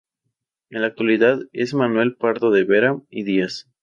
En la actualidad es Manuel Pardo de Vera y Díaz.